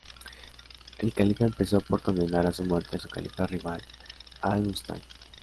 El califa empezó por condenar a muerte a su califa rival Al-Musta'ín.